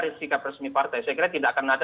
sikap resmi partai saya kira tidak akan ada